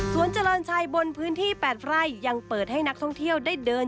เจริญชัยบนพื้นที่๘ไร่ยังเปิดให้นักท่องเที่ยวได้เดิน